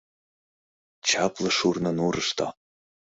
Чапле шурно нурышто!..